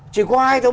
chỉ có hai thôi